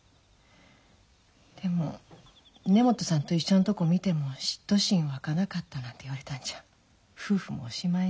でも根本さんと一緒のとこ見ても嫉妬心湧かなかったなんて言われたんじゃ夫婦もおしまいね。